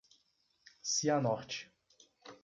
Cianorte